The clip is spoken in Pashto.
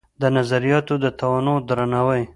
د نظریاتو د تنوع درناوی